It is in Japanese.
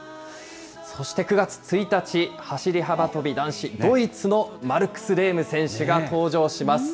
そして９月１日、走り幅跳び男子、ドイツのマルクス・レーム選手が登場します。